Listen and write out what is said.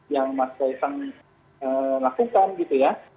yang mas kaisang lakukan gitu ya